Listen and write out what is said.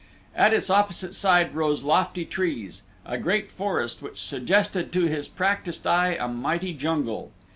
At its opposite side rose lofty trees a great forest which suggested to his practiced eye a mighty jungle.